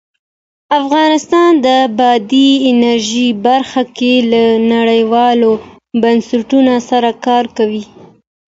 افغانستان د بادي انرژي برخه کې له نړیوالو بنسټونو سره کار کوي.